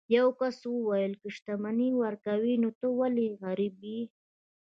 یو کس وویل که شتمني ورکوي نو ته ولې غریب یې.